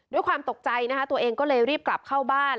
ด้วยความตกใจนะคะตัวเองก็เลยรีบกลับเข้าบ้าน